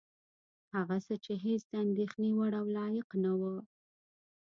هغه څه چې هېڅ د اندېښنې وړ او لایق نه وه.